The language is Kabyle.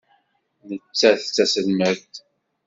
Nettat d taselmadt.